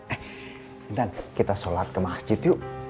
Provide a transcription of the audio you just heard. eh dan kita sholat ke masjid yuk